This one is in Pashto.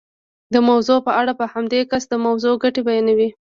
د موضوع په اړه په همدې کس د موضوع ګټې بیانوئ.